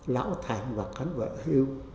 lão thành và cán bộ hưu